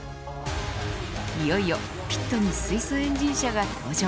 いよいよピットに水素エンジン車が登場。